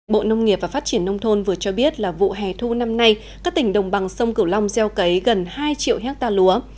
bộ nông nghiệp và phát triển nông thôn vừa cho biết là vụ hè thu năm nay các tỉnh đồng bằng sông cửu long gieo cấy gần hai triệu hectare lúa